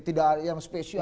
tidak ada yang spesial